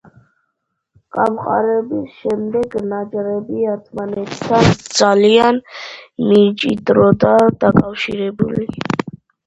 გამყარების შემდეგ ნაჭრები ერთმანეთთან ძალიან მჭიდროდაა დაკავშირებული.